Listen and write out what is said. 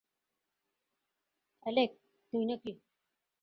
Alec তুই নাকি?